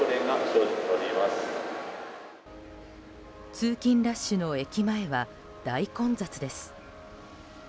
通勤ラッシュの駅前は大混雑です。